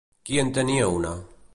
Qui en tenia una?